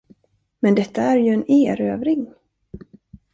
Men detta är ju en erövring!